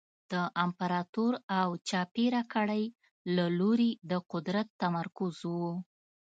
د امپراتور او چاپېره کړۍ له لوري د قدرت تمرکز و